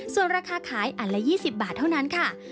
ส่วนราคาขายอันละ๒๐บาทเท่านั้นค่ะ